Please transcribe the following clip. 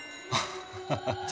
ハッハハ。